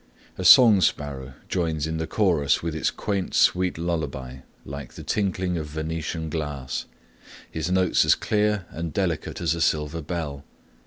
A song sparrow joins in the chorus with his quaint sweet lullaby, like the tinkling of Venetian glass, his notes as clear and delicate as a silver bell.